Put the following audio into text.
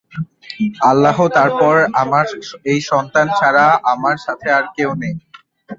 আল্লাহ তারপর আমার এই সন্তান ছাড়া আমার সাথে আর কেউ নেই।